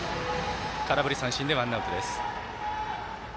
空振り三振でワンアウトです。